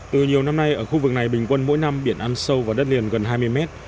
từ nhiều năm nay ở khu vực này bình quân mỗi năm biển ăn sâu vào đất liền gần hai mươi mét